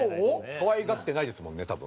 可愛がってないですもんね多分。